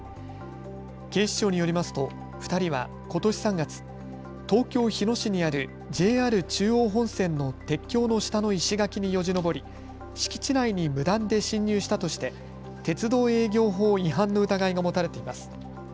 警視庁によりますと２人は、ことし３月、東京日野市にあるＪＲ中央本線の鉄橋の下の石垣によじ登り敷地内に無断で侵入したとして鉄道営業法違反の疑いが持たれています。